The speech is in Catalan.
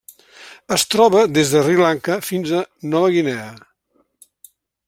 Es troba des de Sri Lanka fins a Nova Guinea.